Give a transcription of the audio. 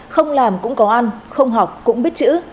không làm cũng có ăn không học cũng biết chữ